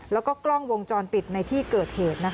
แล้วก็กล้องวงจรปิดในที่เกิดเหตุ